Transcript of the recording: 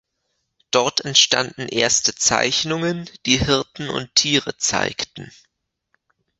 Dort entstanden erste Zeichnungen, die Hirten und Tiere zeigten.